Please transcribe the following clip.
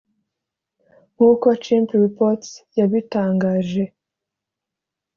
nkuko Chimp reports yabitangaje